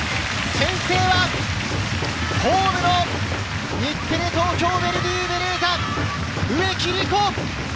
先制はホームの日テレ・東京ヴェルディベレーザ、植木理子。